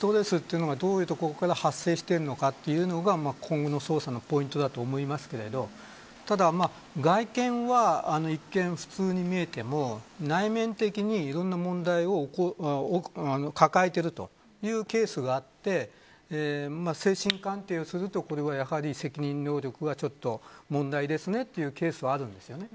ですから、動機とかストレスというものがどういうところから発生してるのかというところが今後の捜査のポイントだと思いますけどただ外見は、一見普通に見えても内面的にいろんな問題を抱えているというケースがあって精神鑑定をすると、これはやはり責任能力がちょっと問題ですねというケースはあるんですよね。